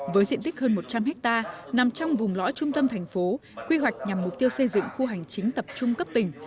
với diện tích hơn một trăm linh hectare nằm trong vùng lõi trung tâm thành phố quy hoạch nhằm mục tiêu xây dựng khu hành chính tập trung cấp tỉnh